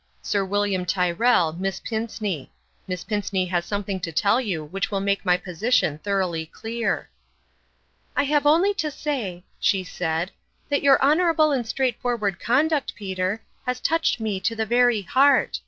Sir William Tyrrell Miss Pinceney. Miss Pinceney has something to tell you which will make my position thoroughly clear." " I have only to say," she said, " that your honorable and straightforward conduct, Peter, has touched me to the very heart.